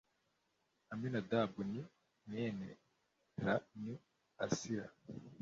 aminadabu ni mwene ra ni asiri